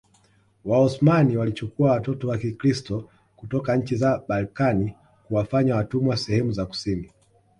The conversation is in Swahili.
Waosmani walichukua watoto wa Kikristo kutoka nchi za Balkani kuwafanya watumwa sehemu za kusini